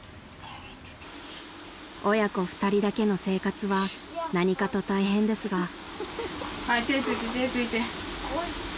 ［親子２人だけの生活は何かと大変ですが］